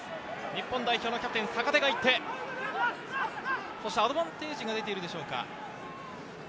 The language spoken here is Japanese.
日本代表のキャプテン・坂手がいて、アドバンテージが出ているでしょうか。